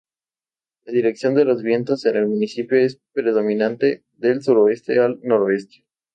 La dirección de los vientos en el municipio es predominante de sureste a noreste.